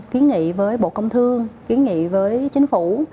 khuyến nghị với bộ công thương khuyến nghị với chính phủ